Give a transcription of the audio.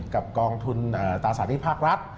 กองทุนตราสารหนี้ภาครัฐ